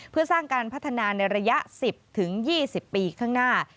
เพื่อสร้างการพัฒนาในระยะ๑๐๒๐ปีข้างหน้า